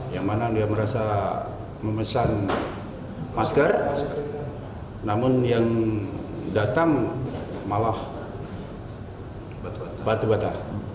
yang mana dia merasa memesan masker namun yang datang malah batu bata